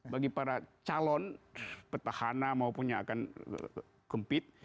bagi para calon petahana maupun yang akan kempit